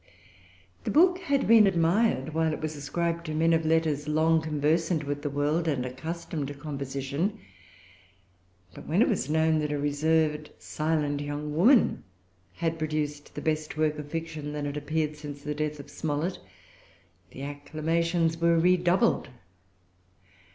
The book had been admired while it was ascribed to men of letters long conversant with the world, and accustomed to composition. But when it was known that a reserved, silent young woman had produced the best work of fiction that had appeared since the death of Smollett, the acclamations were redoubled.